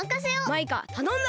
マイカたのんだ！